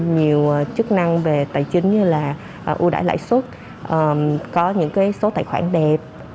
nhiều chức năng về tài chính như là ưu đãi lãi suất có những số tài khoản đẹp